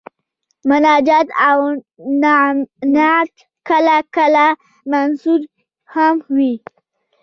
مناجات او نعت کله کله منثور هم وي.